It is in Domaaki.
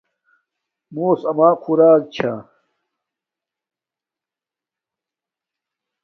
موس اما خوراک چھا